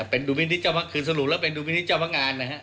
เป็นดุมิติเจ้าภาคคือสรุปแล้วเป็นดุมิติเจ้าภาคงานนะฮะ